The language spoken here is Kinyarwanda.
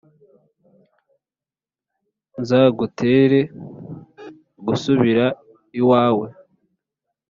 nzagutere gusubira iwawe,